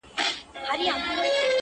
ګرم خو به نه یم چي تیاره ستایمه،